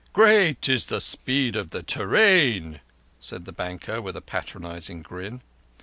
"Great is the speed of the te rain," said the banker, with a patronizing grin.